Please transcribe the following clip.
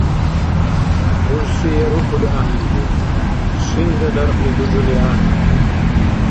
Рурси я рукули ахӀенри, шинра дархли дужули ахӀенри.